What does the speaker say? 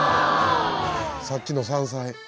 さっきの山菜。